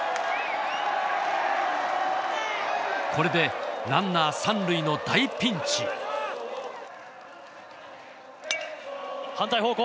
これでランナー３塁の大ピンチ反対方向